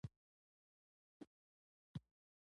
د شرق الهند کمپنۍ په مشکل حالت کې وه.